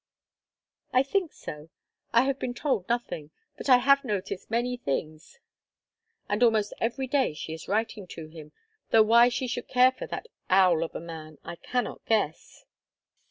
"I think so; I have been told nothing, but I have noticed many things, and almost every day she is writing to him, though why she should care for that owl of a man I cannot guess."